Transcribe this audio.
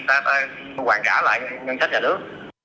ta hoàn trả lại nhân sách nhà nước